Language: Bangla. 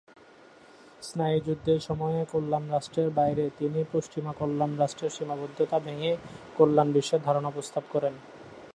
স্নায়ুযুদ্ধের সময়ে, কল্যাণ রাষ্ট্রের বাইরে তিনি পশ্চিমা কল্যাণ রাষ্ট্রের সীমাবদ্ধতা ভেঙ্গে কল্যাণ বিশ্বের ধারণা প্রস্তাব করেন।